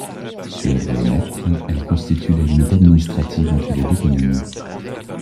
Sur les mètres, elle constitue la limite administrative entre les deux communes.